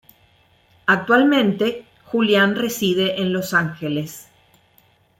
Actualmente, Julian reside en Los Ángeles.